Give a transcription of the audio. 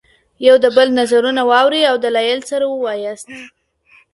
يو دبل نظرونه واورئ او دلائل سره وواياست